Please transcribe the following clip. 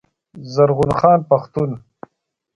زرغون خان پښتون